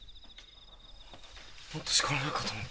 もっとしかられるかと思った。